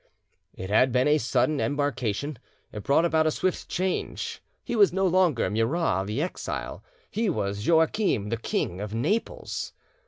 It had been a sudden embarkation, it brought about a swift change: he was no longer Murat the exile; he was Joachim, the King of Naples.